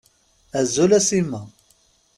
Azul a Sima.